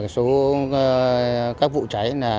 số các vụ cháy